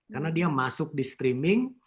karena dia masuk di streaming